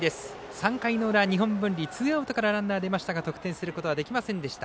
３回の裏、日本文理ツーアウトからランナー出ましたが得点することはできませんでした。